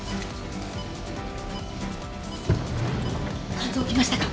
肝臓来ましたか？